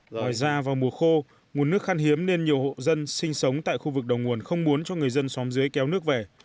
ngoài ra vào mùa khô nguồn nước khăn hiếm nên nhiều hộ dân sinh sống tại khu vực đầu nguồn không muốn cho người dân xóm dưới kéo nước về